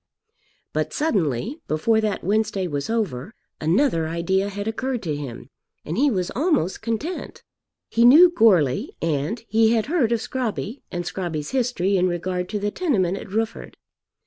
But suddenly, before that Wednesday was over, another idea had occurred to him, and he was almost content. He knew Goarly, and he had heard of Scrobby and Scrobby's history in regard to the tenement at Rufford.